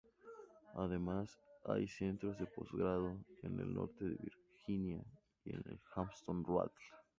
Además hay centros de postgrado en el norte de Virginia y en Hampton Roads.